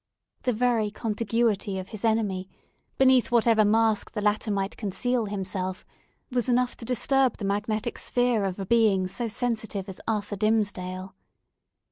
The very contiguity of his enemy, beneath whatever mask the latter might conceal himself, was enough to disturb the magnetic sphere of a being so sensitive as Arthur Dimmesdale.